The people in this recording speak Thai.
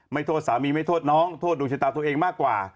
โทษสามีไม่โทษน้องโทษดวงชะตาตัวเองมากกว่า